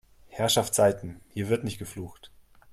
Herrschaftszeiten, hier wird nicht geflucht!